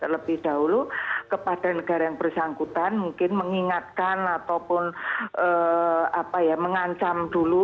lebih dahulu kepada negara yang bersangkutan mungkin mengingatkan ataupun mengancam dulu